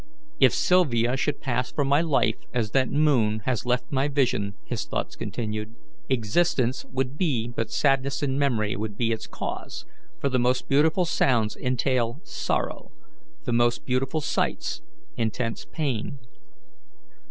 "If Sylvia should pass from my life as that moon has left my vision," his thoughts continued, "existence would be but sadness and memory would be its cause, for the most beautiful sounds entail sorrow; the most beautiful sights, intense pain.